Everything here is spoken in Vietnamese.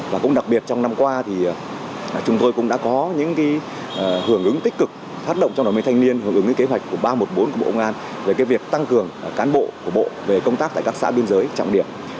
và cũng đặc biệt trong năm qua thì chúng tôi cũng đã có những hưởng ứng tích cực phát động trong đoàn viên thanh niên hưởng ứng kế hoạch của ba trăm một mươi bốn của bộ công an về việc tăng cường cán bộ của bộ về công tác tại các xã biên giới trọng điểm